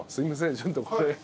ちょっとこれ。